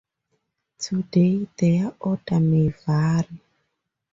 Today, their order may vary.